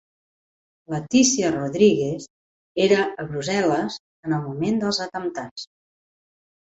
Letícia Rodríguez era a Brussel·les en el moment dels atemptats